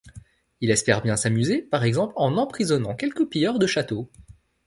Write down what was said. Il espère bien s'amuser, par exemple en emprisonnant quelques pilleurs de châteaux.